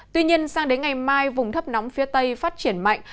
tuy nhiên sang đến ngày mai vùng thấp nóng phía tây phát triển mạnh